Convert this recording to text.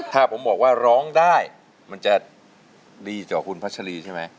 ถ้าผมบอกว่าร้องได้มันจะดีต่อคุณพัชรีใช่ไหม